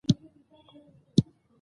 ډلهییزې سندرې ټولنیز تعامل زیاتوي.